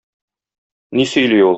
Ни сөйли ул?